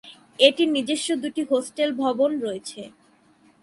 এটির নিজস্ব দুটি হোস্টেল ভবন রয়েছে।